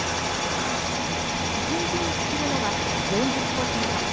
１日に作るのは、４０個程度。